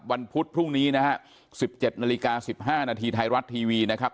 พุธพรุ่งนี้นะฮะ๑๗นาฬิกา๑๕นาทีไทยรัฐทีวีนะครับ